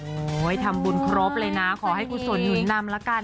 โอ้ยทำบุญครบเลยนะขอให้ขุสวนหยุดนำแล้วกัน